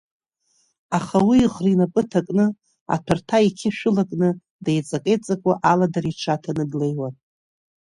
Аха уи иӷра инапы ҭакны, аҭәарҭа иқьышә ылакны деиҵакы-еиҵакуа аладара иҽаҭаны длеиуан.